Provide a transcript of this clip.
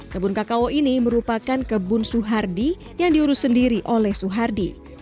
kebun kakao ini merupakan kebun suhardi yang diurus sendiri oleh suhardi